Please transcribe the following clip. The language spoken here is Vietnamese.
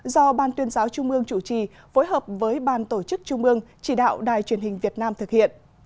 do ban tuyên giáo trung mương chủ trì phối hợp với ban tổ chức trung ương chỉ đạo đài truyền hình việt nam thực hiện